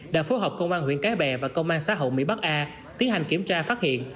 đã phối hợp công an huyện cái bè và công an xã hậu mỹ bắc a tiến hành kiểm tra phát hiện